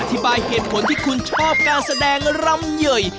อธิบายเหตุผลที่คุณชอบการแสดงรำเหนื่อย